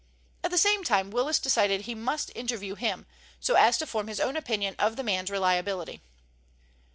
At the same time Willis decided he must interview him, so as to form his own opinion of the man's reliability.